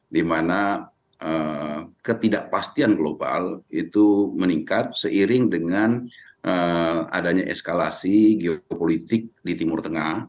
dimana ketidakpastian global itu meningkat seiring dengan adanya eskalasi geopolitik di timur tengah